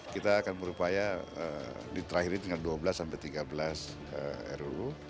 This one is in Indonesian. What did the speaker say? kita akan berupaya ditrakhiri dengan dua belas sampai tiga belas ruu